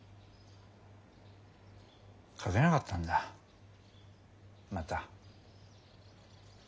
書けなかったんだまた。